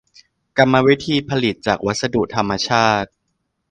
กรรมวิธีผลิตจากวัสดุธรรมชาติ